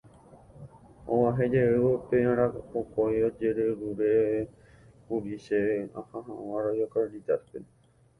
Og̃uahẽjeývo pe arapokõi ojejerurékuri chéve aha hag̃ua Radio Cáritas-pe.